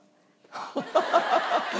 ハハハハ！